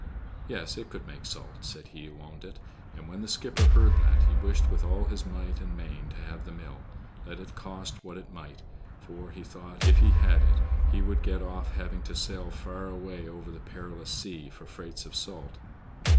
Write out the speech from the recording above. "Yes, it could make salt," said he who owned it, and when the skipper heard that he wished with all his might and main to have the mill, let it cost what it might, for, he thought, if he had it he would get off having to sail far away over the perilous sea for freights of salt.